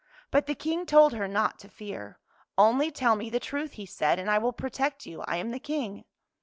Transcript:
But the King told her not to fear. " Only tell me the truth," he said, " and I will protect you. I am the King."